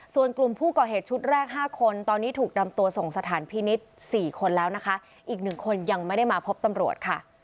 ส่วนกลุ่มผู้ก่อเหตุชุดแรก๕คนตอนนี้ถูกนำตัวส่งสถานพินิษฐ์๔คนแล้วนะคะอีกหนึ่งคนยังไม่ได้มาพบตำรวจค่ะ